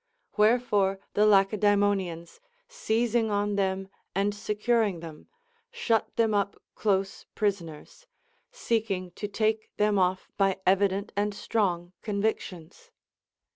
Where fore the Lacedaemonians, seizing on them and securing them, shut them up close prisoners, seeking to take them oif by evident and strong convictions.